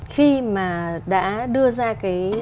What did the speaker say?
khi mà đã đưa ra cái